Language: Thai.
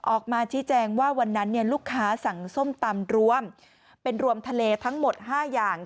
ออกมาชี้แจงว่าวันนั้นลูกค้าสั่งส้มตำรวมเป็นรวมทะเลทั้งหมด๕อย่าง